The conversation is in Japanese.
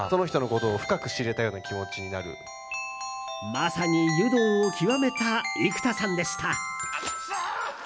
まさに、湯道を極めた生田さんでした。